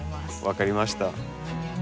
分かりました。